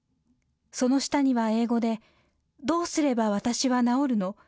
その下には、英語で「どうすれば私は治るの？